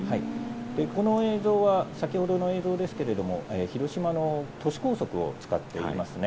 この映像は先ほどの映像ですけれども、広島の都市高速を使っていますね。